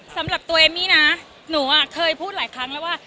สำหรับตัวเอมมี่นะหนูเคยพูดหลายครั้งแล้วว่า